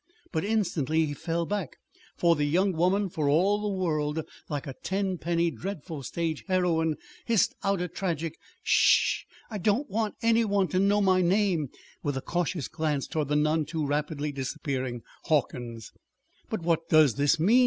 But instantly he fell back; for the young woman, for all the world like a tenpenny dreadful stage heroine, hissed out a tragic "Sh h! I don't want anybody to know my name!" with a cautious glance toward the none too rapidly disappearing Hawkins. "But what does this mean?"